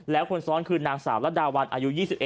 แล้วคนซ้อนคือนางสาวรัดดาวันอายุ๒๑